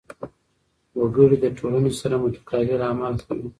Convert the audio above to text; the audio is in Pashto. وګړي له ټولنې سره متقابل عمل کوي.